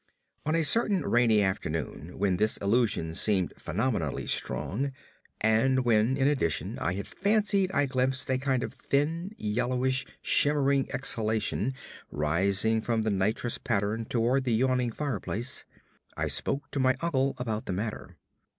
On a certain rainy afternoon when this illusion seemed phenomenally strong, and when, in addition, I had fancied I glimpsed a kind of thin, yellowish, shimmering exhalation rising from the nitrous pattern toward the yawning fireplace, I spoke to my uncle about the matter.